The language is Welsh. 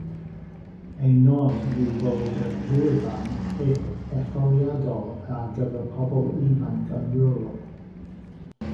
Ei nod yw bod y llwyfan etholiadol ar gyfer pobl ifanc yn Ewrop.